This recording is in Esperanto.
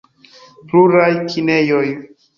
Pluraj kinejoj.